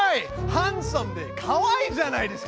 ハンサムでかわいいじゃないですか！